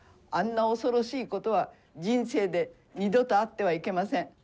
あんな恐ろしいことは、人生で二度とあってはいけません。